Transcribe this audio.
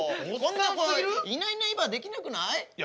いないいないばあできなくない？